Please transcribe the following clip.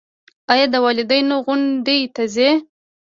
ایا د والدینو غونډې ته ځئ؟